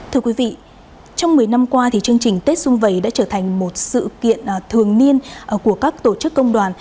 thưa quý vị trong một mươi năm qua chương trình tết xuân vầy đã trở thành một sự kiện thường niên của các tổ chức công đoàn